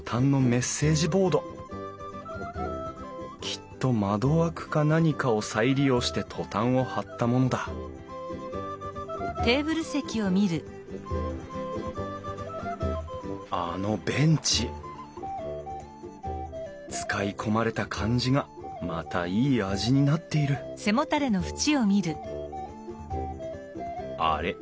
きっと窓枠か何かを再利用してトタンを張ったものだあのベンチ使い込まれた感じがまたいい味になっているあれ？